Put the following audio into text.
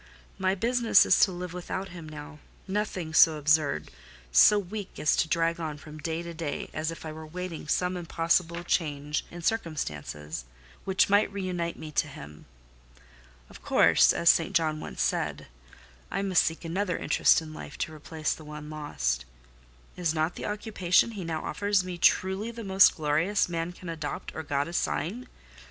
My business is to live without him now: nothing so absurd, so weak as to drag on from day to day, as if I were waiting some impossible change in circumstances, which might reunite me to him. Of course (as St. John once said) I must seek another interest in life to replace the one lost: is not the occupation he now offers me truly the most glorious man can adopt or God assign?